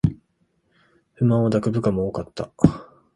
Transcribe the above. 不満を抱く部下も多かった